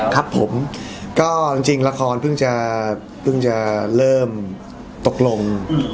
ครับผมก็จริงละครเพิ่งจะเริ่มตกลง